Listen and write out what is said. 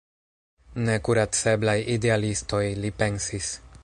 Nekuraceblaj idealistoj, li pensis.